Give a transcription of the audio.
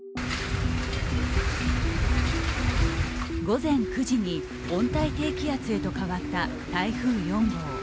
午前９時に温帯低気圧へと変わった台風４号。